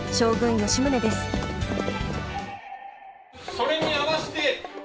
それに合わせて。